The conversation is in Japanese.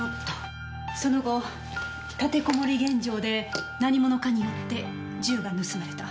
その後立てこもり現場で何者かによって銃が盗まれた。